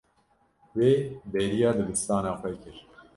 Wê bêriya dibistana xwe kir.